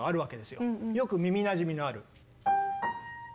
よく耳なじみのある。